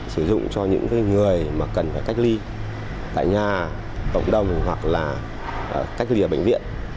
sử dụng cho những người mà cần phải cách ly tại nhà cộng đồng hoặc là cách ly ở bệnh viện